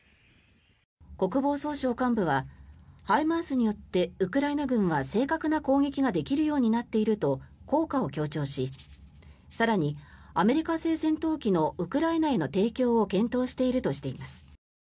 国防総省幹部はＨＩＭＡＲＳによってウクライナ軍は正確な攻撃ができるようになっていると効果を強調し更にアメリカ製戦闘機のウクライナへの提供を検討しているといいます。